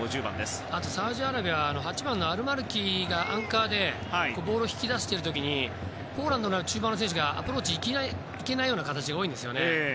あと、サウジアラビアは８番のアルマルキがアンカーでボールを引き出している時にポーランドの中盤の選手がアプローチに行けないことが多いんですよね。